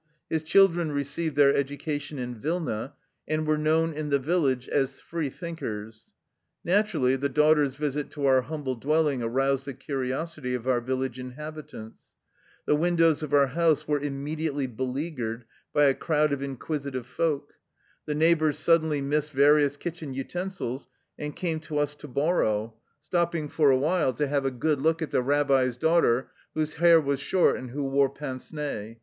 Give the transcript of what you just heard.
His children received their education in Vilna, and were known in the village as " free thinkers." Naturally, the daughter's visit to our humble dwelling aroused the curiosity of our village inhabitants ; the win dows of our house were immediately beleaguered by a crowd of inquisitive folk; the neighbors suddenly missed various kitchen utensils and came to us to borrow, stopping for a while to 23 THE LIFE STORY OF A EUSSIAN EXILE have a good look at the rabbi's daughter whose hair was short and who wore pince nez.